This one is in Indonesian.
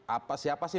apa siapa sih